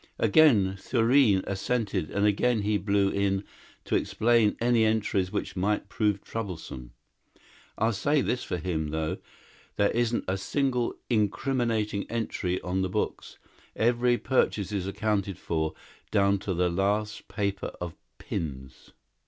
Again Thurene assented and again he blew in, 'to explain any entries which might prove troublesome.' I'll say this for him, though there isn't a single incriminating entry on the books. Every purchase is accounted for, down to the last paper of pins.